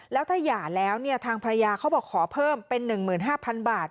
แล้วถ้าหย่าแล้วทางภรรยาเขาบอกขอเพิ่มเป็น๑๕๐๐๐บาท